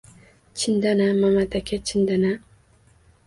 -Chindan-a, Mamat aka, chindan-a?!